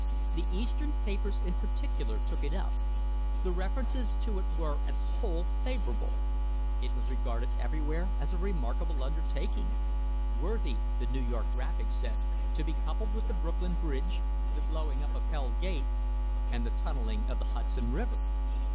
The Eastern papers in particular took it up. The references to it were, as a whole, favourable. It was regarded everywhere as a remarkable undertaking: "Worthy," the New York Graphic said, "to be coupled with the Brooklyn Bridge, the blowing up of Hell Gate, and the tunnelling of the Hudson River."